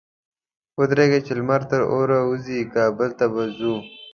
ودرېږه! چې لمر تر اوره ووزي؛ کابل ته به ځو.